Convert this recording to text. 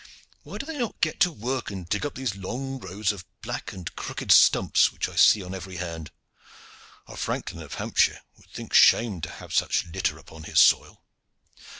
Why do they not get to work and dig up these long rows of black and crooked stumps which I see on every hand? A franklin of Hampshire would think shame to have such litter upon his soil."